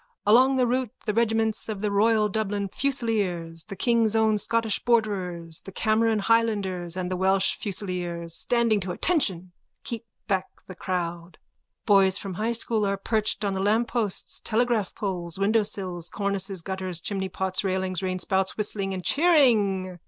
Along the route the regiments of the Royal Dublin Fusiliers, the King's own Scottish Borderers, the Cameron Highlanders and the Welsh Fusiliers, standing to attention, keep back the crowd. Boys from High school are perched on the lampposts, telegraph poles, windowsills, cornices, gutters, chimneypots, railings, rainspouts, whistling and cheering.